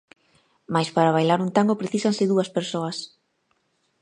Mais para bailar un tango precísanse dúas persoas.